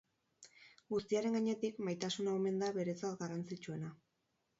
Guztiaren gainetik, maitasuna omen da beretzat garrantzitsuena.